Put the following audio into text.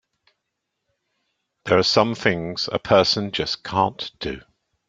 There are some things a person just can't do!